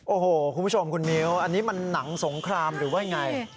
โอ้โหคุณผู้ชมคุณมิ้วอันนี้มันหนังสงครามหรือว่ายังไง